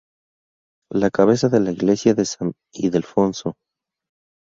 La Cabeza de la Iglesia de San Ildefonso.